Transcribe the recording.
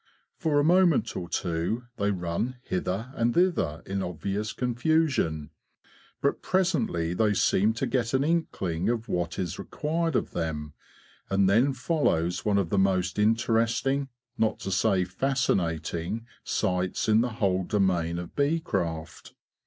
For a moment or two they run hither and thither in obvious confusion. But presently they seem to get an inkling of what is required of them, and then follows one of the most interesting, not to say fascinating, sights in the whole domain of bee craft.